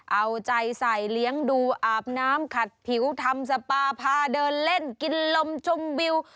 เอาใจใส่เลี้ยงดูอาบน้ำขัดผิวทำสปาพาเดินเล่นกินลมชมวิว